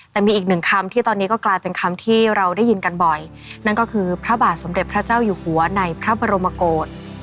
แต่มีอีกหนึ่งคำที่ตอนนี้ก็กลายเป็นคำที่เราได้ยินกันบ่อยนั่นก็คือพระบาทสมเด็จพระเจ้าอยู่หัวในพระบรมโกศ